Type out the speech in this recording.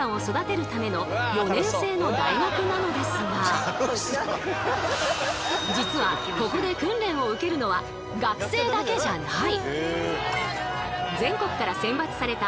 そうここは実はここで訓練を受けるのは学生だけじゃない。